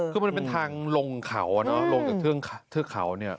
คือมันเป็นทางลงเขาลงจากเทือกเขาเนี่ย